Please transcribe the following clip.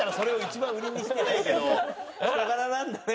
人柄なんだね。